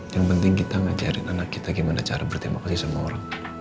yang penting kita ngajarin anak kita gimana cara berterima kasih sama orang